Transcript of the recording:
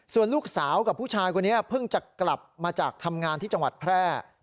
ส่วนลูกสาวกับผู้ชายคนนี้เพิ่งจะกลับมาจากทำงานที่จังหวัดแพร่